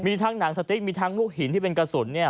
มีทั้งหนังสติ๊กมีทั้งลูกหินที่เป็นกระสุนเนี่ย